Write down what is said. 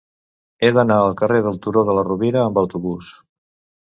He d'anar al carrer del Turó de la Rovira amb autobús.